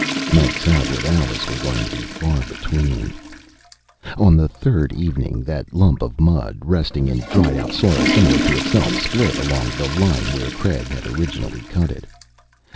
Nights out with Alice were going to be far between. On the third evening, that lump of mud, resting in dried out soil similar to itself, split along the line where Craig had originally cut it.